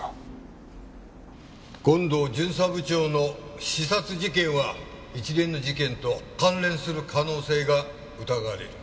権藤巡査部長の刺殺事件は一連の事件と関連する可能性が疑われる。